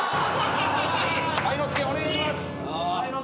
パイ之介お願いします。